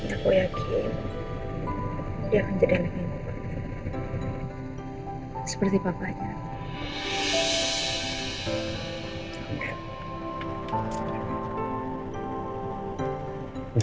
aku yakin dia akan jadi lebih baik